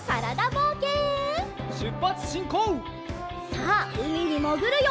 さあうみにもぐるよ！